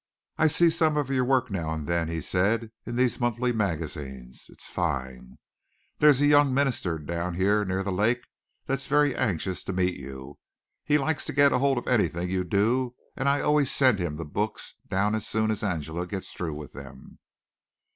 "I see some of your work now and then," he said, "in these monthly magazines. It's fine. There's a young minister down here near the lake that's very anxious to meet you. He likes to get hold of anything you do, and I always send the books down as soon as Angela gets through with them."